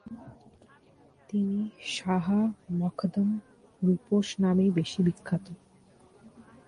তিনি শাহ মখদুম রূপোশ নামেই বেশী বিখ্যাত।